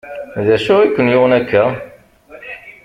D acu i ken-yuɣen akka?